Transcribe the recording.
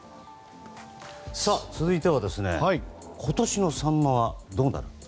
続いては今年のサンマはどうなる？